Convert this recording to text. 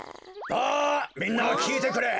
あみんなきいてくれ。